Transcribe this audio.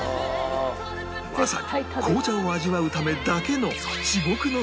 まさに紅茶を味わうためだけの「絶対食べる。